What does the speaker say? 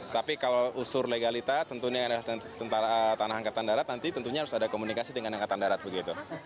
tapi kalau unsur legalitas tentunya tanah angkatan darat nanti tentunya harus ada komunikasi dengan angkatan darat begitu